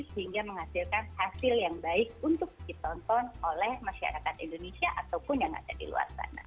sehingga menghasilkan hasil yang baik untuk ditonton oleh masyarakat indonesia ataupun yang ada di luar sana